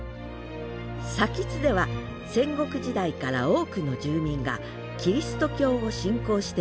津では戦国時代から多くの住民がキリスト教を信仰していました